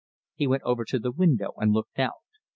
He went over to the window and looked out.